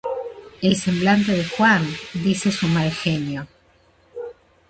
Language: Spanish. El semblante de Juan dice su mal genio.